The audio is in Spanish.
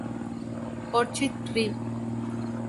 Orchid Rev.